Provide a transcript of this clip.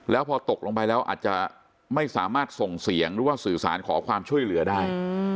แล้วพอตกลงไปแล้วอาจจะไม่สามารถส่งเสียงหรือว่าสื่อสารขอความช่วยเหลือได้